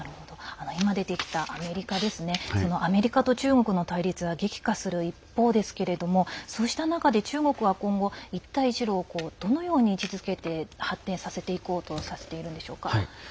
今出てきたアメリカと中国の対立が激化する一方ですけれどもそうした中で中国は今後一帯一路をどのように位置づけて発展させていこうとさせてるんでしょうか。